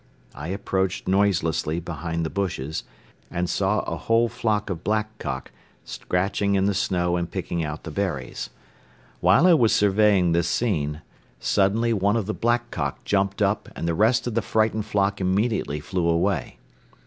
I approached noiselessly behind the bushes and saw a whole flock of blackcock scratching in the snow and picking out the berries. While I was surveying this scene, suddenly one of the blackcock jumped up and the rest of the frightened flock immediately flew away.